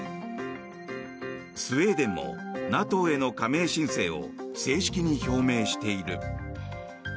スウェーデンもＮＡＴＯへの加盟申請を正式に表明している。